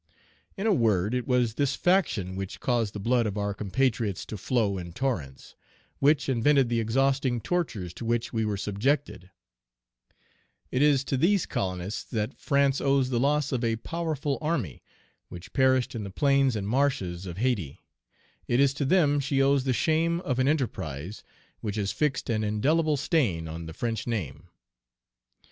In a word, it was this faction which caused the blood of our compatriots to flow in torrents, which invented the exhausting tortures to which we were subjected; it is to these colonists that France owes the loss of a powerful army, which perished in the plains and marshes of Hayti; it is to them she owes the shame of an enterprise which has fixed an indelible stain on the French name.